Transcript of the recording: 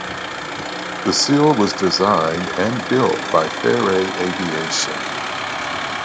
The Seal was designed and built by Fairey Aviation.